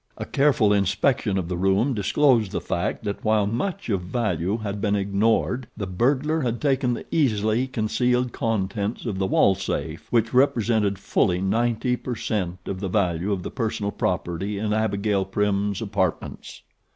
A careful inspection of the room disclosed the fact that while much of value had been ignored the burglar had taken the easily concealed contents of the wall safe which represented fully ninety percentum of the value of the personal property in Abigail Prim's apartments.